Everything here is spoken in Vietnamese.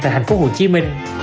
tại hạnh phúc hồ chí minh